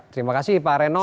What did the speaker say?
terima kasih pak renol